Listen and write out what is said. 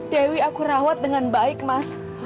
dewi aku rawat dengan baik mas